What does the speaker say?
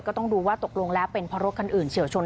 ต้องดูว่าตกลงแล้วเป็นเพราะรถคันอื่นเฉียวชน